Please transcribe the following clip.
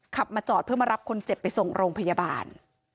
ขับมาจอดเพื่อมารับคนเจ็บไปส่งโรงพยาบาล